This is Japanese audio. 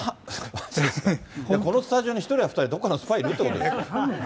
このスタジオに１人や２人どっかのスパイいるってことですよ。